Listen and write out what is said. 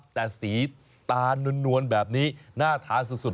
แต่สีตาลนวลแบบนี้น่าทานสุด